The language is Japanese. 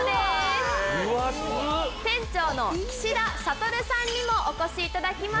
店長の岸田悟さんにもお越しいただきました。